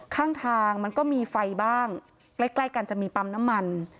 ข้างทางมันก็มีไฟบ้างใกล้ใกล้กันจะมีปั๊มน้ำมัน